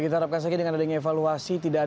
kita harapkan saja dengan ada yang evaluasi